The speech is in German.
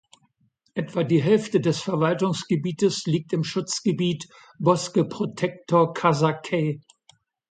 Etwa die Hälfte des Verwaltungsgebietes liegt im Schutzgebiet Bosque Protector Casacay.